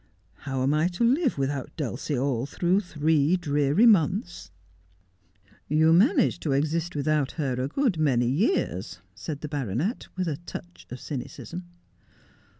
' How am I to live without Dulcie all through three dreary months '/' 150 Just as I Am. ' You managed to exist without her a good many years,' said the baronet, with a touch of cynicism.